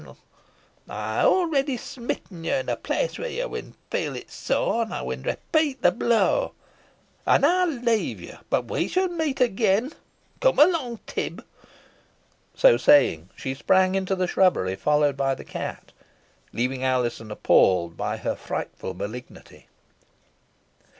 Ey ha already smitten you in a place where ye win feel it sore, an ey win repeat the blow. Ey now leave yo, boh we shan meet again. Come along, Tib!" So saying, she sprang into the shrubbery, followed by the cat, leaving Alizon appalled by her frightful malignity.